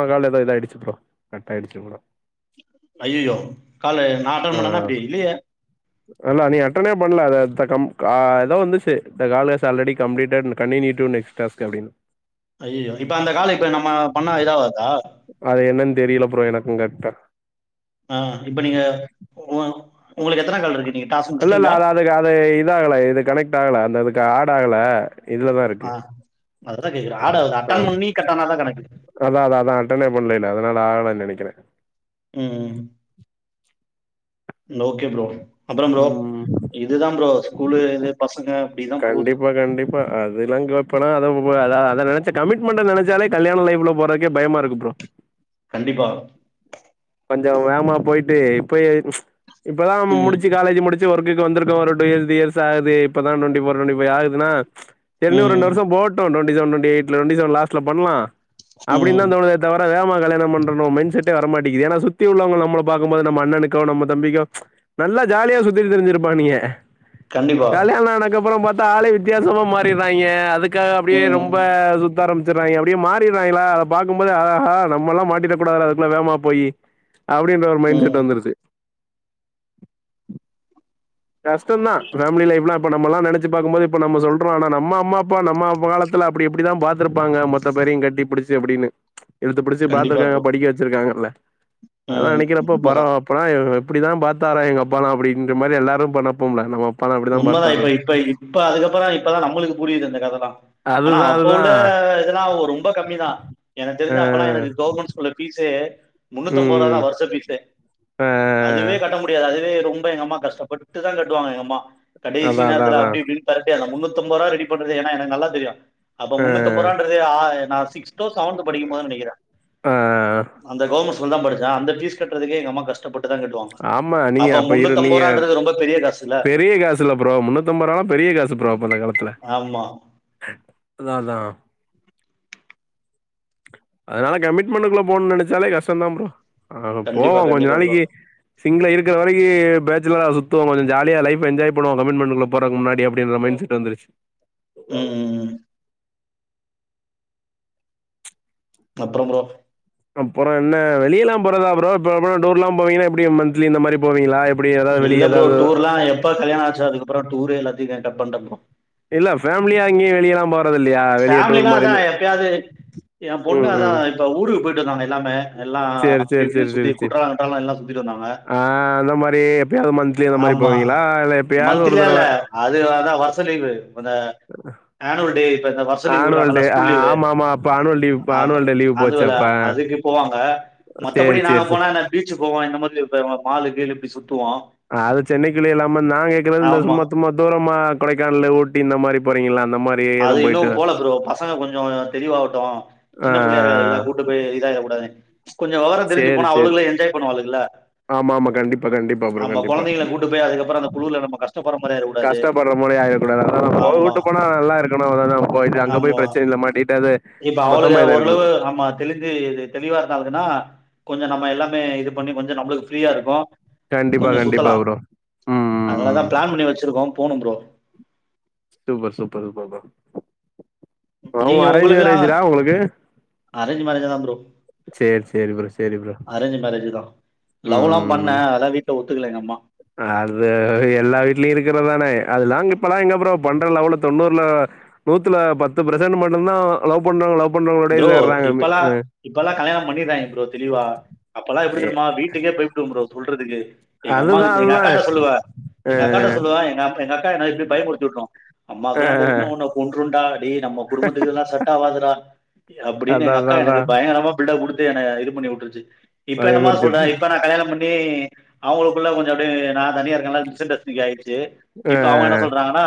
ஆ கால ஏதா இதா ஆயிடுச்சு புரோ கட் ஆய்டுச்சு ப்ரோ அய்யயோ கால நா அட்ட மன்னனா இப்டி இல்லையே அல்ல நீ அட்டணே பண்ணல ஏதோ வந்துச்சி இந்த கால கஸ் already complete continue to next task அப்டின் அய்யயோ இப்ப அந்த கால இப்ப நம்ம இதாவதா அது என்னன்னு தெரியல ப்ரோ எனக்கு கரெக்டா ஆ இப்ப நீங்க உ ஒங்களுக்கு எத்தன கால் இருக்கு நீங்க டாஸ்க் அல்ல இல்ல முடிச்சுட்டீங்களா? அது அதுக்கு அது இது ஆகல இது கனெக்ட் ஆகல அந்த அதுக்கு ஆட் ஆகல இதுலதா இருக்கு ஆ அததா கேக்குறே ஆட் ஆவுது ஆ அட்டன் பண்ணி கட்டான தா கணக்கு அதா அதா அட்டனே பண்ல்லேல அதனால ஆகலைன்னு நெனக்குறே உம் ஓகே ப்ரோ அப்பறோம் ப்ரோ ம் இதுதா ப்ரோ ஸ்கூலு இது பசங்க அப்டிதா போது இப்ப அதெல்லா கேப்பேனா அத அத நெனச்ச கமி்மெண்ட நெனச்சாலே கல்யாண லைப் போறதுக்கே பயமா இருக்கு ப்ரோ கண்டிப்பா கொஞ்சோ வேகமா போயிட்டு இப்ப இப்பதா ம். முடிச்சு காலேஜ் முடிச்சு ஒர்க்குக்கு வந்துருக்கோ ஒரு டூ இயர்ஸ் த்ரீ இயர்ஸ் ஆகுது இப்பதா டுவண்டி வோர் டுவண்டி ஃபை ஆகுதுனா சரி இன்னு ஒரு ரெண்டு ம். வருஷோ போகட்டு டுவண்டி செவன் டுவண்டி ஏய்ட்ல டுவெண்டி செவன் லாஸ்ட்ல பண்லா ம். அப்டின் தா ம். தோனுதே வர வர வேகமா கல்யாணம் பண்றோனு மைண்ட் செட்டே வரமாட்டி ஏன்னா சுத்தி உள்ளவங்க நம்மள பாக்கும்போது நம்ம அண்ணனுக்கோ நம்ம தம்பிக்கோ நல்லா ஜாலியா சுத்தி திரிஞ்சிருப்பா நீயி கண்டிப்பா. கல்யாண ஆனதக்கப்பறோ பாத்தா ஆளே வித்தியாசமா மாறிறாங்க அதுக்கு அதுக்காக அப்டியே ம். ரொம்ப சுத்தி ஆரம்பிச்சுறாங்க அப்டியே மாறிருறாங்களா அத பாக்கும்போது ஆக நம்மல்லா மாட்டிற்றக்கூடாதுடா அதுக்குள்ள வேகமா போய் அப்டின்ற ஒரு மைண்ட் ம். செட் வந்துருது கஷ்டந்தா ஃபேமில லைப்லா இப்ப நம்மளா நெனச்சு பாக்கும்போது இப்ப நம்ம சொல்றோ ஆனா நம்ம அம்மா அப்பா நம்ம காலத்ல அப்டி எப்டிதா பாத்திருப்பாங்க மொ மொத்த பேரையு கட்டி புடுச்சு அப்டின்னு [inaudible] இழுத்து பிடிச்சு கண்டிப்பா பாத்துருக்காங்க ப்ரோ. படிக்க வச்சிருக்காங்கல்ல அத ம். நெனக்குறப்ப உண்மதான். பரவா அப்பலா எப்டித்தா பாத்தாரோ எங்க அப்பால அப்டின்ற மாரி எல்லாரு பண்ணப்போம்ல நம்ம அப்பாலாம் இப்டிதான் உண்மதா இப்ப பாத்தாரான்னு. இப்ப இப்ப அதுக்கப்பறோ இப்பதா நம்மளுக்கு புரியுது இந்த கததா ஆனா அதுதான் அப்ப உள்ள அதுதான். இதெல்லா ரொம்ப கம்மி தா எனக்கு அ. தெரிஞ்ச அப்பெல்லா எனக்கு கவுர்மெண்ட் ஸ்கூ பீஸே முன்னூத்தம்பது ரூபா ம். தா வருஷ பீஸே ஆ அதுவே கட்ட முடியாது அதுவே ரொம்ப எங்க அம்மா கஷ்டப்பட்டு தா கட்டுவாங்க எங்க அம்மா கடைசி அதா அதா நேரத்ல அதா அப்டி இப்டின் பெரட்டி அந்த முன்னூத்தம்பது ரூபா ரெடி பண்றது ஏனா எனக்கு நல்லா தெரியு அப்ப அ முன்னுத்தம்ப ரூபான்றது நா சிக்ஸ்தோ செவன்த்தோ படிக்கும் போது நெனக்குறே ஆ அந்த கவர்மெண்ட் ஸ்கூல்ல தா படிச்சே அந்த பீஸ் கட்டுறதுக்கு எங்கம்மா கஷ் கஷ்டப்பட்டு தா கட்டுவாங்க ஆமா நீங்க அப்ப இரு முன்னத்தம்பது நீங்க ரூபான்றது ரொம்ப பெரிய காசுல பெரிய காசில்ல ப்ரோ முன்னத்தம்பது ரூபானா பெரிய காசு ப்ரோ அந்த காலத்ல ஆமா அதா அதா அதனால கமிட்மெண்டுக்குள்ள போணுனு நெனச்சாலே கஷ்டதா ப்ரோ ஆ கண்டிப்பா போவோ கொஞ்ச கண்டிப்பா ப்ரோ நாளைக்கு சிங்கிள இருக்கிற வரைக்கு பேச்சலரா சுத்துவோ கொஞ்சோ ஜாலியா லைஃப் என்ஜாய் பண்ணுவோ கமிட்மெண்டடுகுள்ள போறக் முன்னாடி அப்டின்ற மைண்ட செட் வந்துச்சி ம் ம் ம் அப்புறோ ப்ரோ அப்புறோ என்ன வெளில்லா போறதா ப்ரோ இப்ப அம்ம டூர்ல்லா போவீன்னா எப்டி மந்த்லி இந்த மாரி போவீங்களா எப் இப்டி எதா வெளிய எதாது இப்ப கல்யாண ஆச்ச அதுக்கப்புறோ டூர் எல்லாத்தியுமே கட்டப்பண்ட ப்ரோ இல்ல ஃப் ஃபேமிலியா எங்கயு வெளியெல்லா போறது இல்லையா வெளிய டூர் ஃபேமிலினா மாரி அதா இந்த ம் ம் த்தா ஊருக்கு போய் ட்டு நாங்க எல்லாமே எல்லா சேரி அப்டி சேரி சேரி இப்டின்னு சுத்தி சேரி சேரி குற்றாலோ கிற்றலோ எல்லா சுத்திட்டு வந்தாங்க ஆ அந்த மாரி எப்பயாவது மந்த்லி அந்த மாரி ஆமா போவீங்களா? இல்ல எப்பயாவது ஒரு மந்த்லியா தடவ இல்ல அது அதா வருஷ லீவு வந்த எனுவல் டே இப்ப இந்த வருஷ லீவு உறாங்க ஆனுவல் இல்ல டே ஆ ஸ்கூல் லீவு ஆமாமா. அப்ப ஆனுவல் லீவ் அப்ப ஆனுவல் டே லீவ் போச்சு அதுவல அப்ப. அதுக்கு போவாங்க மத்தபடி சரி, நாங்க சரி, சரி. போனா என்ன பீச்சுக்கு போவோ இந்த மாதிரி இப்ப ம மாலு கீழு இப்பி சுத்துவோ அ அது சென்னைக்குள்ளே இல்லாம நாங்க கேக்குறது இந்த ஆமா சும்மா தும்மா தூரமா கொடைக்கானலு ஊட்டி இந்த மாரி போறிங்கள அந்த மாரி அது எதுவும் இன்னு போயிட்டு ஆ, போல ப்ரோ பசங்க கொஞ்சோ தெளிவாட்டு ஆ, சின்ன புள்ளையாருகரல்லா ஆ. கூட்டு போய் இதாயிடக் கூடாது கொஞ்சோ வெவரோ தெரிஞ்சி சரி, போனா சரி. அவளுகளு என்ஜாய் பண்ணுவாலுகல்ல ஆமாமா. கண்டிப்பா, கண்டிப்பா ப்ரோ. நம்ம கண்டிப்பா. கொழந்தைங்கள கூட்டு போய் அதுக்கப்புறோ அந்த குளுருல நம்ம கஷ்டப்படற மாரி ஆயிரு கஷ்டப்பற மாரி ஆயிரக் கூடாது அத நா போவுட்டு போனா நல்லா இருக் க்குனு அவ்ளோதா போய்ட்டு அங்க போய் ஆமா பிரச்சனைல மாட்டிகிட்டாது இப்ப அவளுக ஓரளவு அம்மா தெளிஞ்சி தெளிவா இருந்தாலுங்கன்னா கொஞ்ச நம்ம எல்லாமே இது பண்ணி கொஞ்ச நம்மளுக்கு ஃப்ரீயா இருக்கு கண்டிப்பா, கொஞ்ச கண்டிப்பா சுத்தலா ப்ரோ. ம், ம், அதனாலதா ம். பிளான் பண்ணி வச்சிருக்கோ போனு ப்ரோ சூப்பர் சூப்பர் பாப்போ ப்ரோ நீங்க அரேஞ் உங்களுக்கெல்லா மேரேஜ்டா உங்களுக்கு அரேஞ்ச் மேரேஜ் தா ப்ரோ சேரி சேரி ப்ரோ சேரி ப்ரோ ம் லவ்ல்லா பண்ண அதல்லா வீட்ல ஒத்துக்கல எங்க அம்மா ஆ அது எல்லா வீட்லியு இருக்கறதானே அதுல்லாங் இப்பல்லா எங்க ப்ரோ பண்ற லவ்ல தொண்ணூறுல நூத்துல பத்து பெர்சன்ட் மட்டுதா லவ் பண்ணாங் லவ் பண்றவங்களோடயே ப்ரோ சேர்றாங்க இப்பெல்லா இப்பல்லா கல்யாணோ பண்ணிறாய்ங் ப்ரோ தெளிவா அப்பெல்லா எப்டி எ தெரியுமா வீட்டுக்கே போய் ட்டு ப்ரோ சொல்றதுக்கு எங்க அதுதா அம்மாக்த் அதுதா அக்காட்ட சொல்லுவ அ எங்க அக்காட்ட சொல்லுவ எங்க அப் எங்க அக்கா என்ன இப்பி பயமுறுத்திவிட்ரு அ அம்மாக்குல்லா தெரிஞ்சினா உன்ன கொன்ருண்டா டே நம்ம குடும்பத்துக்குல்லா இதுல்லா செட் ஆவதுடா அப்பிடின் அதா எங்க அதா அக்கா அதா எனக்கு பயங்கரமா பில்டப் குடுத்து என இது பண்ணிவுட்டுருச்சி இப்ப என்னமா சொல்ற பயமுறுத்திவுட்ரு இப்ப நா கல்யாண பண்ணி மே அவங்களுக்குள்ள கொஞ்ச அப்டியே நா தனியா இருக்கல்ல மிஸ் அன்டஸ்டிங் ஆயிச்சி அ இப்ப அவங்க என்ட சொல்றாங்கன்னா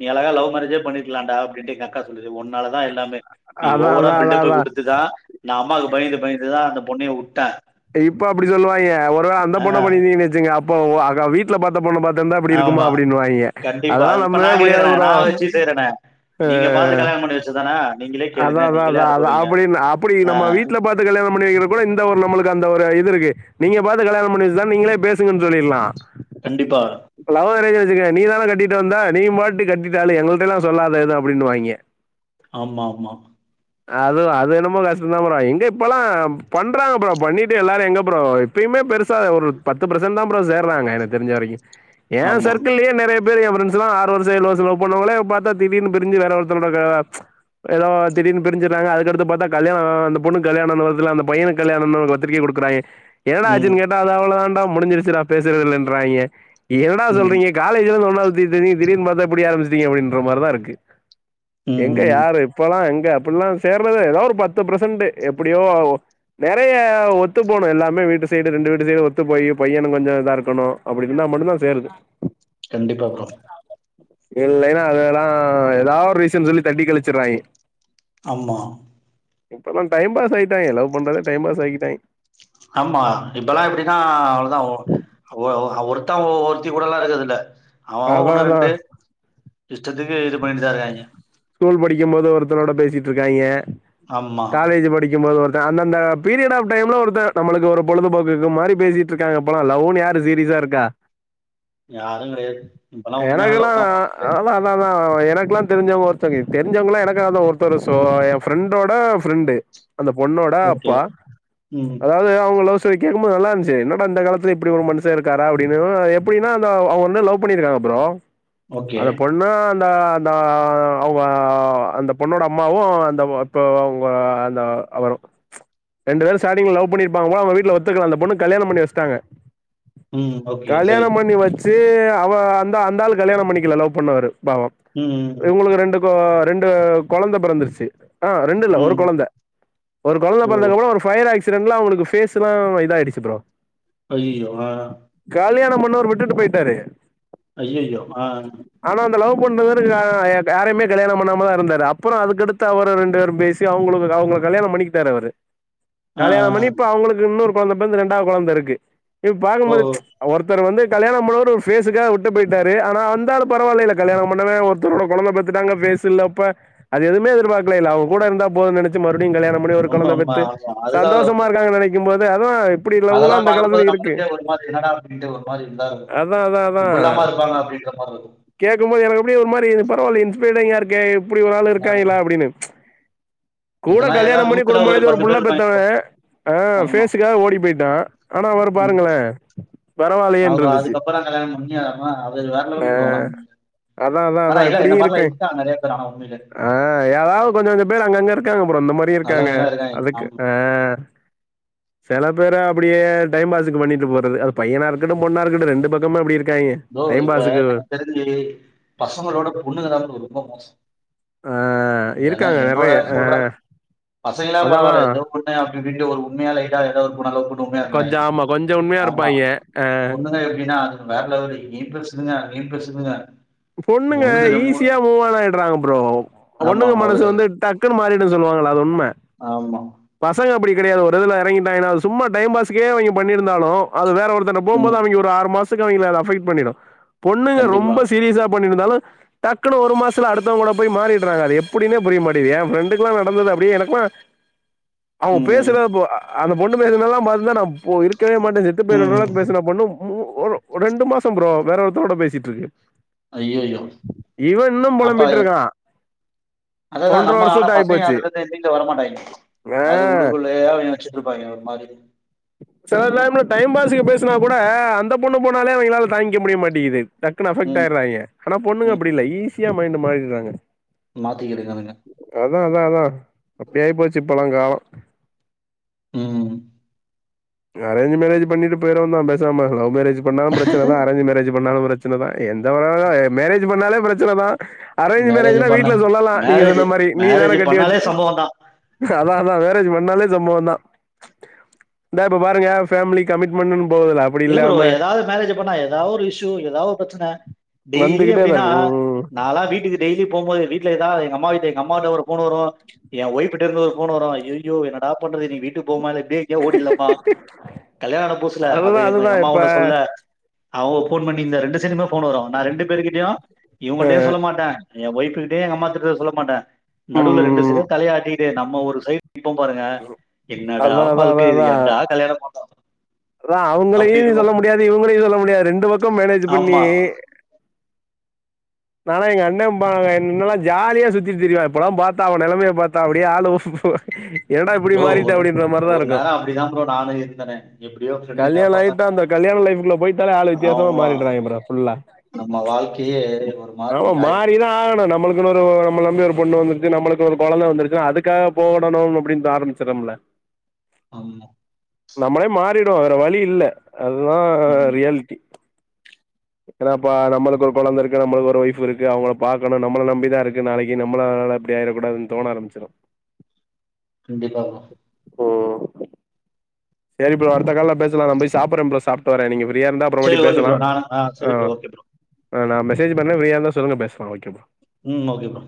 நீ அழகா லவ் மேரேஜே பண்ணிருக்லாடா அப்டின்ட்டு எங் அக்கா சொல்லிச்சி ஒன்னாலதா எல்லாமே நீ அதா ஓவரா அதா அதா அதா இதுதா நா அம்மாக்கு பயந்து பயந்துதா அந்த பொண்ணையவுட்டே இப்ப அப்பிடி சொல்லுவாய்ங்க ஒரு வேல அந்த பொண்ண பண்ணிருந்தீங்கன்னு வச்சிங்க அப்போ அக வீட் ட்ல பாத்த பொண்ண பாத்ந்தா அப்டி இருக்குமா ஆமா அப்டின்னு வாயிங்க கண்டிப்பா அதெல்லா இப்ப நா நம்பவே முடியாது கேக்குறேனே ப்ரோ நா வச்சு செய்றேனே நீங்க பாத்து கல்யாணம் பண்ணி வச்சிதானா நீங்களே அதா கேளுங்க அதா நீங்களே அதா அத அனுபவீங்க அப்பிடின் அப்பிடி ஆ நம்ம வீட்ல க்க பாத்து கல்யாணம் பண்ணி வக்கிற கூட இந்த ஒரு நம்மளுக்கு அந்த ஒரு இது இருக்கு நீங்க பாத்து கல்யாணம் பண்ணிவச்சி தான நீங்களே பேசுங்கன்னு சொல்லிலா கண்டிப்பா இப்ப லவ் மேரேஜ் வச்சிகங்க நீனா கட்டிட்டு வந்த நீ பாட்டு கட்டிட்டலு எங்கள்ட் லா சொல்லாத எது அப்டின்னு வாங்கே ஆமா ஆமா அது அது என்னமோ நெஸந்தா ப்ரோ எங்க இப்பெல்லா பண்றாங்க ப்ரோ பண்ணிட்டு எல்லாரு எங்க ப்ரோ இப்பியுமே பெருசா ஒரு பத்து ப்ரஷன் தா ப்ரோ சேர்றாங்க எனக்கு தெரிஞ்ச வரைக்கு எ ஆமா சர்க்கிள்ளயே நெறையப் அமெரிக்கா ப்ரென்ஸ்ல்லா ஆறு வருஷோ ஏழு வருஷோ லவ் பன்னவங்களே பாத்தா தீடிர்னு பிரிஞ்சி வேற ஒருத்த ரோட க ஏதோ தீடீர்னு பிரிஞ்சிருங்காங்க அதுக் கடுத்து பாதா கல்யாணோ அந்த பொண்ணு கல்யாணோ அந்த பைய கல்யணமுனு பத்திரிக்க குடு றாய்ங்க என்னடா ம் ஆச்சின் கேட்டா அத அவள தான்ண்ட முடிஞ்சிருச்சுடா பேசுறரதில்லன்றாய்ங்க என்னடா ம் சொல்றீங்க காலேஜ்ல இருந்து ஒன்னா சுத்திட்டு திரிஞ்சிங்க திடீர்னு பாத்தா இப்டி ஆரம்பிச்சுட்டீங்க அப்படின்ற மாரிதா இருக் ம் எங்க ம் யாரு இப்பெல்லா எங்க அப்புலா சேர்றது ஏதாவ்து ஒரு பத்து ப்ரசன்ட்டு எப்டியோ நெறைய ஒத்து போகணு எல்லாமே வீட்டு சைடு ரெண்டு வீட்டு சைடு ஒத்து போய் பையனு கொஞ்சோ இதா இருக்கணு அப்டி இருந்தா மட்டுதா பேர் என்ன கண்டிப்பா ப்ரோ இல்லேன்னா அதெல்லா ஏதா ஒரு ரீசன் சொல்லி தட்டி கழிச்சிறுவாங்கே ஆமா இப்போல்லா டைம் பாஸ் ஆய்ட்டாங்கே லவ் பண்றதே டைம் பாஸ் ஆகிட்டேங்க ஆமா இப்பல்லா எப்புடினா அவ்ளேவு தா ஓ ஒருத்தா ஒருத்தி கூட எல்லா இருக்குறதில்ல அவ அவ அதா ஒன்னு அதா ரெண்டு இஷ்டத்துக்கு இது பண்ணிட்டு தா இருக்காங்கே ஸ்கூல் படிக்கும் போது ஒருத்தனோட பேசிட் இருக்காங்கே ஆமா காலேஜி படிக்கும்போது ஒருத் அந்த அந்த பீரியட் ஆப் டைம்ல ஒருத்தர் நமளுக்கு ஒரு பொழுதுபோக்கு மாரி பேசிட்டு இருக்காங்கப்பலா லவ்வுனு யாரு சீரிஸா இருக்கா யாரு கெடயாது இப்பெல்லா உண்மையான எனக்கெல்லா லவ் னா ஒன்னு கெடயாது அதா அதா அதா எனக்கெலா தெரிஞ்சவ்க ஒர்த் சோகே தெரிஞ்சவங்களா எனக்காதா ஒருத்தரு சோ எ ஃப்ரெண்டோட ஃப்ரெண்டு அந்த பொண்ணோட ஓகே அப்பா ம் அதாவ்து அவுங்க லவ் ஸ் ஸ்டோரி கேக்கும் போது நல்லா இருந்ச்சி என்னடா இந்த காலத்துல இப்டி ஒரு மனுஷ இருக்காரா அப்டினு எப்டினா அதா அவ வந்து லவ் லவ் பண்ணியிருக்காங்க ப்ரோ ஓகே அந்த பொண்ணு அந்த அந்த ஆ அவ்ங்க அந்த பொண்ணோட அம்மாவு அந்த இப்ப அவ்ங்க அந்த அவரு ரெண்டுபேரு சாட்டிங்லஸ லவ் பண்ணிருப்பாங்க போல அவ்க வீட்டுல ஒத்துக்கல அந்த பொண்ணுகு கல்யாணம் பண்ணி வச்சுடாங்க ம் ஓகே சரி கல்யாணம் பண்ணி வச் ட்டு அவ அந்த அந்தாள் கல்யாணம் பண்ணிக்கல லவ் பண்ணவரு பாவோ ம் ம் ம் இவ்ங்களுக்கு ரெண்டு இப்போ ரெண்டு கொழந்த பொறந்துருச்சி ஆ ரெண்டில்ல ஒரு ம் கொழந்த ஒரு கொழந்த ஓ பொறந்ததுக்கு அப்றோ பையர் ஆக்சிடென்ட்ல அவனுக்கு ஃபேஸ்லா இத ஆயிடிச்சி ப்ரோ அய்யோ ஆ கலியாணம் பன்னவரு விட்டுட்டு போய்ட்டாரு அய்யயோ ஆ ஆனா அந்த லவ் பண்ணவரு ஆ யாரையுமே கல்யாணம் பண்ணாம தா இருந்தாரு அப்புறோ அதுக்கடுத்து அவரு ரெண்டு பேரு பேசி அவ்ங்களுக்கு அவ்ங்கள கல்யாணம் பண்ணிக்கிட்டாரு அவரு ஆ கல்யாணம் பண்ணி இப்ப அவ்ங்களுக்கு இன்னொரு கொழந்த பெறந்து ரெண்டாவ்து கொழந்த இருக்கு இப்ப ஓ பாக்கும்போது ஒருத்தரு வந்து கல்யண பண்ணவரு ஒரு பேஸுக்கா விட்டு போய்ட்டாரு ஆனா அந்தாலு பரவாயில்லேல கல்யாணம் பண்ணவே ஒருத்தரோட கொழந்த பெத் இதுடாங்க பேஸ் இல்லப்ப அது எதுமே எதிர்பாக்கலிலே அவ கூட இருந்தா போது நினச் ச்சு மறுபடியு கல்யாணம் பண்ணி ஒரு உண்ம கொழந்த உண்ம பெத்து ஆமா சந்தோஷமா இருக்காங்க நினக்கும் போது அதா இப்டி அதெல்லா லவ்லா இந்த பாக்கம் காலத்துல போது இருக்கு நம்மளுக்கே ஒரு மாரி என்னடா அப்டின்டு ஒரு மாரி இருந்தா இருக்கு அதா அதா இப்டில்லாமா இருப்பாங்க அப்டின்ற மாரி இருக்கு கேக்கும் போது எனக்கு அப்டி ஒரு மாரி இருக்கு பரவால்ல இன்ஸ்பரிங்கா இருக்கு அப்டி ஒரு ஆள் ஆ இருக்காங்களா அப்டின்னு கூட இதெல்லாம் ஏதா கல்யாணம் பண்ணி குடும்ப நடத்தி ஒரு புள்ளா பேர் இருப்பாய்ங்க பெத்தவே இப்போ. ஆ ஆமா. ஃபேஸுக்காக ஓடி போயிட்டா ஆனா அவரு பாருங்களே அவ அதுக்கப்புறம் கல்யாணம் பண்ணி அதலா அது வேற லேவல் ப்ரோ அதா அதா அதா எப்டியும் இருக்கே தத்தா நெறய [unintelligible] ஆ ஏதாவது கொஞ்ச கொஞ்ச பேர் அங்கங்க இருக்காங்க ப்ரோ இந்த மாரி இருக்காங்க நல்லவங்கலாம் அதுக்கு ஆமா. செல பேர் அப்டியே டைம் பாஸுக்கு பண்ணிட்டு போறது அது பையனா இருக்கட்டு பெண்ணா இருக்கட்டும் ரெண்டு பக்கமே அப்டி இருக்கு இருக்காங்கே டைம் பாஸ்க்கு செரி பசங்களோட பொண்ணுங்க தா ப்ரோ ரொம்ப மோசம் ஆ ஏன்னா இருக்காங்க என்னோட நெறைய ஆ சொல்ற பசங்கல்லாம் அதாதா பரவால்ல எதோ [unintelligible] அப்டி அப்டின்ட்டு ஒரு உண்மைய லைட்டா ஏதாவுது ஒரு பொண்ண லவ் [unintelligible] இருந்தேன் கொஞ்சோ ஆமா கொஞ்சோ உண்மையா ஆமா இருப்பாய்ங்க ஆ பொண்ணுங்க எப்டின்னா அது வேற லெவலு இங்கயு பேசுதுங்க அங்கயு பேசுதுங்க பொண்ணுங்க ஒண்ணுக்கு ரெ ஈஸியா மூவாயிறாங்க ப்ரோ ஆமா பொண்ணுங்க மனசு அவ்வளவுதான். வந்து டக்குன்னு மாறிடுன்னு சொல்லுவாங்களா அது உண்ம ஆமா பசங்க அப்டி கெடையாது ஒரு இதுல இறங்கிட்டாங்கேனா சும்மா டைம் பாஸுங்கே அவங்கே பண்ணிருந்தாலும் அது வேற ஒருத்தர் போம்போது ம். அவங்க ஒரு ஆறு மாசத்துக்கு அவங்கள அது அபெக்ட் பண்ணிடும் பொண்ணுங்க கண்டிப்பா. ரொம்ப சீரிஸா பண்ணிருந்தாலும் டக்குனு ஒரு மாசத்துல அடுத்தவே கூட போய் மாறிறாங்க அது எப்டினே புரியமாட்டிது என் ப்ரெண்டுக்குல்லாம் நடந்தது அப்டியே எனக்குல்லாம் அவங்க ம், பேசுற ம். தா ப்ரோ அந்த பொண்ணு பேசுனதலா பாத்தினா நான் இருக்கவே மாட்டேன் செத்து பேயிருவே ம், கூட ம். பேசின பொண்ணு ஒரு ரெண்டு மாசம் பரோ வேற ஒருத்தோட பேசிட்டு இருக்கு ஐய்ய்யோ இவன் இன்னும் புலம்பிட்டு இருக்கா அததான் நம்ம அதுல இருந்து நீங்க வரமாட்டாங்க அது ஆ உள்ளுகுள்ளயே வச்சுட்டு இருப்பாங்க ஒரு மாதிரி செல டைம்ல டைம்பாசுக்கு பேசினா கூட அந்த பொண்ணு போனாலே அவங்களால தாங்கிக்க முடிய மாட்டேது டக்குனு அபக்ட் ம், ஆயறாங்கனா பொண்ணுங்க ம். அப்டி ஈஸி யா மைண்ட் மாறிறாங்க மாத்திக்கிறதுங்க அதுங்க அதான் அதான் அதான் அப்டி ஆயி போச்சு இப்பல்லாம் காலம் ம் இந்த அரேஞ் மேரேஜு பண்ணிட்டு போயிற வேண்டிதா பேசாம லவ் மேரேஜ் பண்ணாலும் பிரச்சனைதான் அரேஞ் மேரேஜ் பண்ணாலும் பிரச்ச சன தான் எந்த ஒரு மேரேஜ் பண்ணாலே பிரச்சனைதான் அரேஞ்ச் மேரேஜ் மேரேஜ்னா பண்ண வீட்ல சொல்லலாம் நீங்க மேரேஜ் சொன்ன மாதிரி நீ மேரேஜ் தானே கட்டி பண்ணாலே வச்சு சம்பவம் தான் அதான் அதான் மேறேஜ் பண்ணாலே சம்பவம் தான் இந்தான் இப்ப பாருங்க ஃபேமிலி கமிட்மெண்ட்னு போதுல இல்ல ப்ரோ ஏதாவது மேரேஜ் பண்ணா ஏதாவது ஒரு இஷ்யு ஏதாவது ஒரு பிரச்சனை டெய்லி வந்துகிட்டே தான் அப்டின்னா இருக்கு ம். நானாலாம் வீட்டுக்கு டெய்லி போம் போது வீட்ல அதாவது அம்மாட்டு எ அம்மா விட்ட ஒரு போன் வரும் எ ஓய்ஃப்ட்ட இருந்து போன் வரும் ஐய்யய்யோ என்னாட பண்றது நீ வீட்டுக்கு போல இப்டியே ஓடிலப்பா கல்யாணம் ஆன புதுசுல அது அதுதான் எங்க எங்க அதுதான் அம்மா இப்ப ஒண்ணு சொல்ல அவங்க போன் பண்ணிந்த ரெண்டு சைடுமே போன் வரும் நான் ரெண்டு பேரு கிட்டயும் இவங்களிட்டையும் சொல்ல மாட்டேன் என் ஒய்ஃப்பு கிட்டே எங்க அம்மா திட்றத சொல்ல மாட்ட நடுவுல ரெண்டு ம், சைட் தலையாட்டிட்டே நம்ம ஒரு சைட் நிப்போ பாருங்க என்னடா அதா அதா அதா வாழ்கை இது அதா ஏன்டா கல்யாணோ பண்ணோ அதா அவங்களையு நீ சொல்ல முடியாது இவங்களையு சொல்ல முடியாது ரெண்டு பக்கோ மேனேஜ் பண்ணி ஆமா நாலா எங்க அண்ண பாக முன்னெல்லா ஜாலியா சுத்திட்டு திரியுவா இப்பல்லா பாத்தா அவ நெலமைய பாத்த அப்டியே ஆளுவோ ஓ என்னடா இப்பிடி ப்ரோ மாறிட்டே ஒரு அப்படின்ற மாரிதா ஒரு இருக்கு நேரோ அப்டிதா ப்ரோ நானு இருந்தனே எப்டியோ ஃப்ரெண்டுங்க கல்யாணோ பசங்க ஆயிட்டா அந்த கல்யாணோ லைஃப்குள்ள போயிட்டாலே ஆளு வித்தியசமா ஆமா மாறிடுறாங்க ப்ரோ ஃபுல்லா நம்ம வாழ்க்கையே ஒரு ஆமா மாதிரி ஆயிடு மாறிதா ஆகணு நம்மளுக் இக்கனோரு நம்மள நம்பி ஒரு பொண்ணு வந்துருச்சு நம்மளுக்கு ஒரு கொழந்த வந்துருச்சு அதுக்காக போடணுன்னு அப்படின்னு ஆரம்மிச்சுறம்ள ஆமா நம்மளே மாறிடுவோ வேற வழி இல்ல அதுதா ம் ரியாலிட்டி ஏன்னாப்பா நம்மளுக்கு ஒரு கொழந்தருக்கு நம்மளுக்கு ஒரு ஒய்ஃப் இருக்கு அவுங்கள பாக்கனு நம்மள நம்பிதா இருக்கு நாளைக்கி நம்மளனால இப்பிடி ஆயிடக் கூடதுன் தோன ஆரம்மிச்சுரு கண்டிப்பா ப்ரோ ம் சேரி ப்ரோ அடுத்த கால்ல பேசலா நா போயி சாப்பர்றே ப்ரோ சாப்ட்டு வரே நீங்க ஃப்ரியாருந்தா அப்றோவாட்டி சரி ஓகே பேசலா ப்ரோ நானு ஆ சரி ப்ரோ ஓகே ப்ரோ அ நா மெசேஜ் பண்ணே ஃப்ரியாருந்தா சொல்லுங்க பேசலா ஓகே ப்ரோ ம் ஓகே ப்ரோ